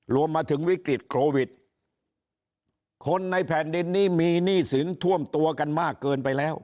รวมถึงวิกฤตโควิดคนในแผ่นดินนี้มีหนี้สินท่วมตัวกันมากเกินไปแล้ว